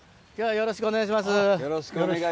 よろしくお願いします。